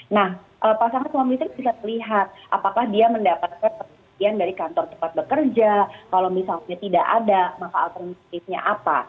nah pasangan suami istri bisa terlihat apakah dia mendapatkan perhatian dari kantor tempat bekerja kalau misalnya tidak ada maka alternatifnya apa